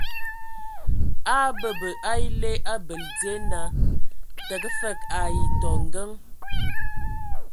A a abəbə a ele abəl dzie naa tǝgə fəg ai tɔ ngǝŋ.